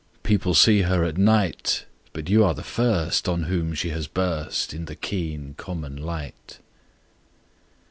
People see her at night, But you are the first On whom she has burst In the keen common light."